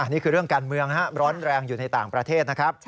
นี่คือเรื่องการเมืองร้อนแรงอยู่ในต่างประเทศนะครับ